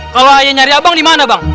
kalau ayah nyari abang dimana bang